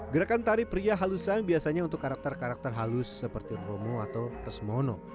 gerakan tari pria halusan biasanya untuk karakter karakter halus seperti romo atau resmono